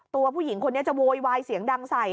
ผู้หญิงคนนี้จะโวยวายเสียงดังใส่